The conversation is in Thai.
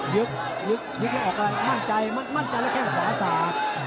ยึกยึกมั่นใจแข่งขวาสาป